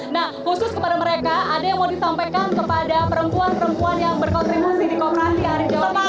nah khusus kepada mereka ada yang mau disampaikan kepada perempuan perempuan yang berkontribusi di kooperasikan jawa tengah